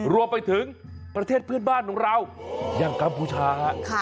รวมไปถึงประเทศเพื่อนบ้านของเราอย่างกัมพูชา